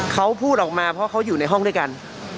เขาพูดออกมาเพราะเขาอยู่ในห้องด้วยกัน